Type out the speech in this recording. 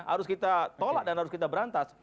harus kita tolak dan harus kita berantas